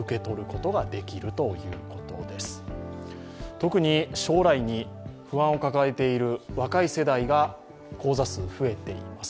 特に将来に不安を抱えている若い世代が口座数、増えています。